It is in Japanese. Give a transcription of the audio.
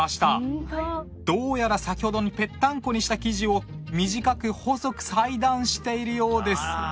どうやら先ほどぺったんこにした生地を短く細く細断しているようです。